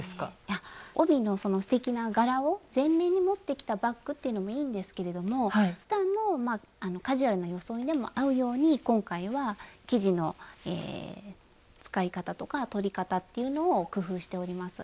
帯のすてきな柄を全面に持ってきたバッグっていうのもいいんですけれどもふだんのカジュアルな装いでも合うように今回は生地の使い方とか取り方っていうのを工夫しております。